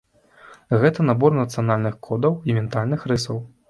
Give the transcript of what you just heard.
Гэта набор нацыянальных кодаў і ментальных рысаў.